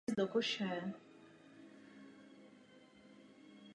Od té doby se datuje souvislý chov tohoto druhu.